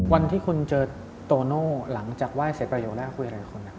วันที่คุณเจอโตโน่หลังจากไหว้เสร็จประโยคแรกคุยอะไรกับคุณ